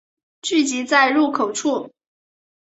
聚集在入口处